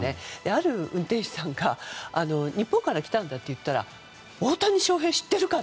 ある運転手さんに日本から来たんだと言ったら大谷翔平知っているか？